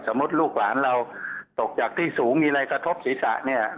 สมมติลูกหลานเราตกจากที่สูงมีอะไรกระทบศีรษะ